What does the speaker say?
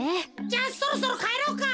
じゃあそろそろかえろうか。